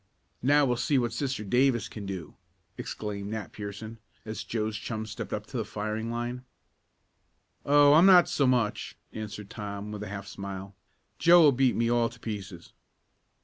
"Now we'll see what Sister Davis can do!" exclaimed Nat Pierson, as Joe's chum stepped up to the firing line. "Oh, I'm not so much," answered Tom with a half smile. "Joe will beat me all to pieces."